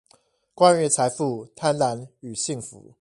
關於財富、貪婪與幸福